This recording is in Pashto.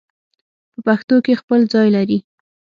په پښتو کې خپل ځای لري